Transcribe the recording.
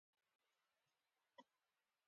بوټونه د سړې هوا لپاره موټی وي.